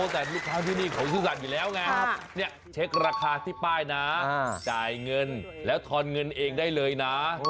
แต่ลูกค้าที่นี่เขาซื่อสัตว์อยู่แล้วไงเช็คราคาที่ป้ายนะจ่ายเงินแล้วทอนเงินเองได้เลยนะ